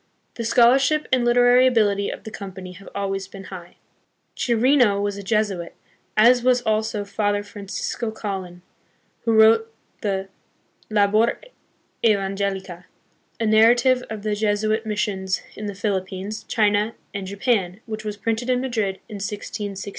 The scholarship and liter ary ability of the Company have always been high. Chi rino was a Jesuit, as was also Father Francisco Colin, who wrote the Labor Evangelica, a narrative of the Jesuit mis sions hi the Philippines, China, and Japan, which was printed hi Madrid hi 1663.